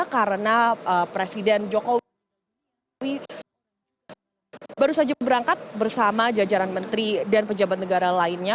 karena presiden jokowi baru saja berangkat bersama jajaran menteri dan pejabat negara lainnya